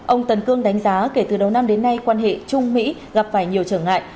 ông tần cương đánh giá kể từ đầu năm đến nay quan hệ trung mỹ gặp phải nhiều trở ngại